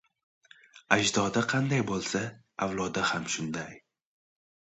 • Ajdodi qanday bo‘lsa, avlodi ham shunday.